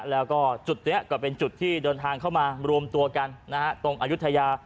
แล้วก็จุดเนี้ยก็เป็นจุดที่โดยทางเข้ามารวมตัวกันนะฮะ